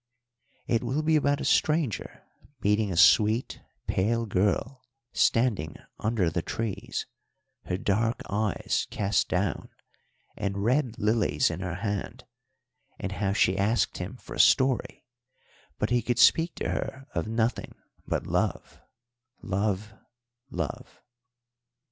"It will be about a stranger meeting a sweet, pale girl standing under the trees, her dark eyes cast down, and red lilies in her hand; and how she asked him for a story, but he could speak to her of nothing but love, love, love."